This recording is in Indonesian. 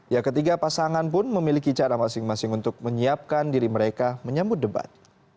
ya ketiga pasangan pun memiliki cara masing masing untuk menyiapkan diri mereka menyambut debat